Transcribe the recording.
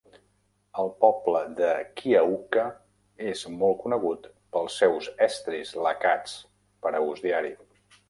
El poble de Kyaukka és molt conegut pels seus estris lacats per a ús diari.